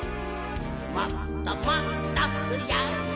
「もっともっとふやすぜ」